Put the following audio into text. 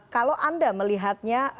kalau anda melihatnya